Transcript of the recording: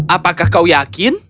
apakah kau yakin